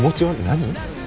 何？